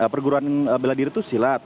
perguruan beladiri itu silat